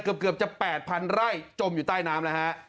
เกือบจะ๘๐๐๐ไร่จมอยู่ใต้น้ำแล้วฮะ